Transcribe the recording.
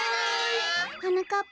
はなかっぱ。